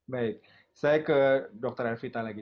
baik saya ke dr elvita lagi